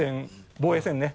防衛戦ね。